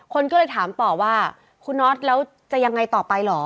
คนก็เลยถามต่อว่าคุณน็อตแล้วจะยังไงต่อไปเหรอ